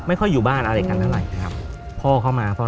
ไม่ค่อยอยู่บ้านอะไรกันเท่าไหร่ครับพ่อเข้ามา